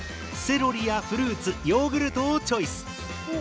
セロリやフルーツヨーグルトをチョイス。